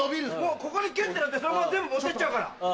ここにギュってのってそのまま全部持ってっちゃうから。